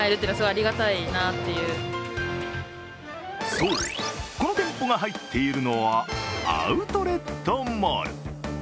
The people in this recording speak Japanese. そう、この店舗が入っているのはアウトレットモール。